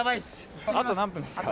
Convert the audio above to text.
あと何分ですか？